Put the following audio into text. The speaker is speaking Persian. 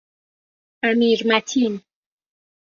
امیرمتین